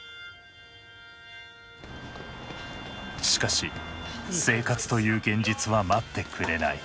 しかし生活という現実は待ってくれない。